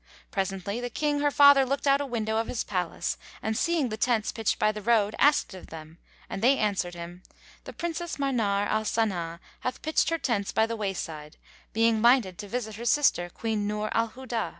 Presently, the King her father looked out of a window of his palace, and seeing the tents pitched by the road, asked of them, and they answered him, "The Princess Manar al Sana hath pitched her tents by the way side, being minded to visit her sister Queen Nur al Huda."